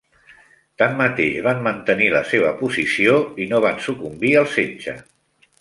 Tanmateix, van mantenir la seva posició i no van sucumbir al setge.